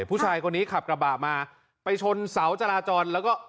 ผู้ชายเคราะห์กระบะมาไปชนเถาจาราจรแล้วก็